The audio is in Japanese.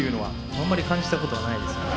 あんまり感じた事はないですね。